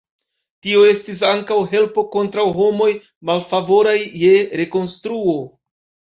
Tio estis ankaŭ helpo kontraŭ homoj malfavoraj je rekonstruo.